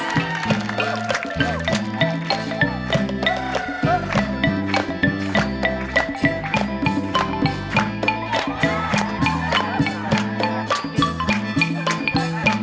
สุดท้าย